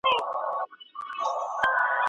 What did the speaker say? که تاسي د خپلو خلګو ملاتړ ونه کړئ، پردي به يې وکړي.